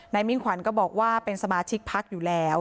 นายมิ้นขวัญก็บอกว่าเป็นสมาชิกภักดิ์อยู่แล้ว